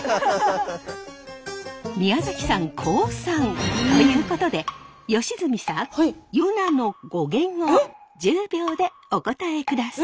宮崎さん降参！ということで吉住さんヨナの語源を１０秒でお答えください！